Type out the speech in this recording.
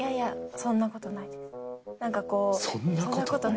そんなことない？